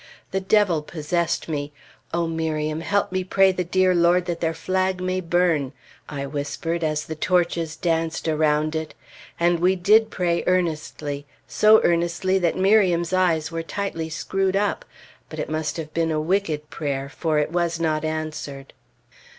The Devil possessed me. "O Miriam, help me pray the dear Lord that their flag may burn!" I whispered as the torches danced around it. And we did pray earnestly so earnestly that Miriam's eyes were tightly screwed up; but it must have been a wicked prayer, for it was not answered.